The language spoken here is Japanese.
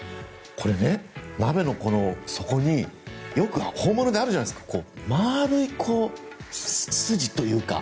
これね、鍋の底によく本物であるじゃないですか丸い筋というか。